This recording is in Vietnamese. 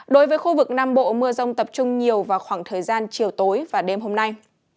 đối với khu vực nam bộ mưa rông tập trung nhiều vào khoảng thời gian chiều tối và đêm hôm nay